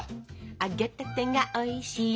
「揚げたてが美味しいよ」